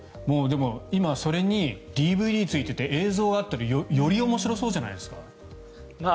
今、それにＤＶＤついていて映像があったらより面白そうじゃないですか。